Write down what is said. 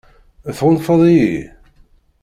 Tɣunfaḍ-iyi?